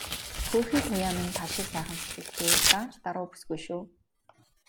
Хөөрхий Туяа минь тал шиг сайхан сэтгэлтэй, даанч даруу бүсгүй шүү.